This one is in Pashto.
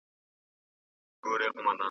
هم پردی سي له خپلوانو هم له ځانه .